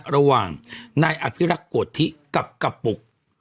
ระหว่างนายอภิรักษ์โกธิกับกระปุก